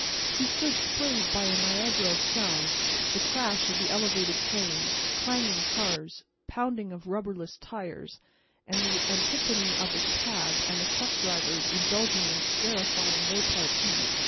He stood sprayed by a Niagara of sound—the crash of the elevated trains, clanging cars, pounding of rubberless tires and the antiphony of the cab and truck drivers indulging in scarifying repartee.